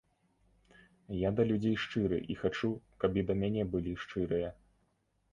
Я да людзей шчыры і хачу, каб і да мяне былі шчырыя.